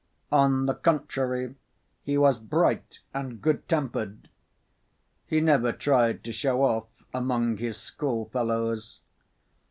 On the contrary he was bright and good‐tempered. He never tried to show off among his schoolfellows.